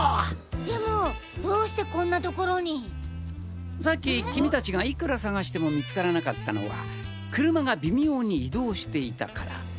でもどうしてこんな所に。さっき君達がいくら探しても見つからなかったのは車が微妙に移動していたから。